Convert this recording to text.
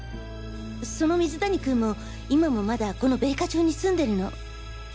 その水谷君も今もまだこの米花町に住んでるの。